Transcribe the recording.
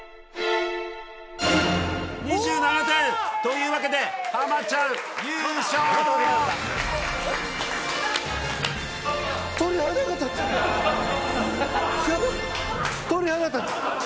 ２７点！というわけでハマちゃん優勝！やばっ